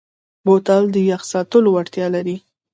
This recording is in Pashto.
بوتل د یخ ساتلو وړتیا لري.